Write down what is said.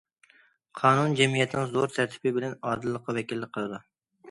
قانۇن جەمئىيەتنىڭ زۆرۈر تەرتىپى بىلەن ئادىللىققا ۋەكىللىك قىلىدۇ.